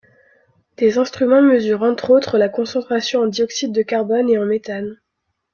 Des instruments mesurent entre autres, la concentration en dioxyde de carbone et en méthane.